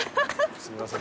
・すいません。